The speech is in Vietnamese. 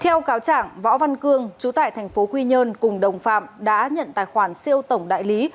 theo cáo trảng võ văn cương chú tại thành phố quy nhơn cùng đồng phạm đã nhận tài khoản siêu tổng đại lý